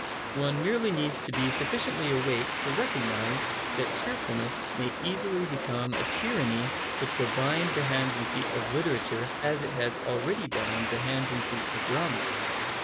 One merely needs to be sufficiently awake to recognise that cheerfulness may easily become a tyranny which will bind the hands and feet of literature as it has already bound the hands and feet of drama.